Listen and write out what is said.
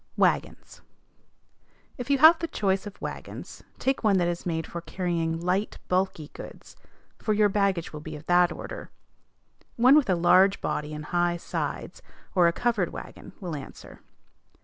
WAGONS. If you have the choice of wagons, take one that is made for carrying light, bulky goods, for your baggage will be of that order. One with a large body and high sides, or a covered wagon, will answer.